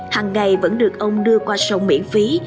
hằng ngày vẫn được ông đưa qua sông miễn phí